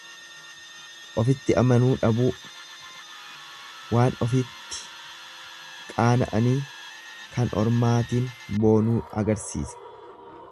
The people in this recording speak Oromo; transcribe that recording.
Ofitti amanuu dhabuu, waan ofitti qaana'anii kan ormaatin boonuu agarsiisa.